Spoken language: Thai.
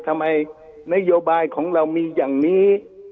นโยบายของเรามีอย่างนี้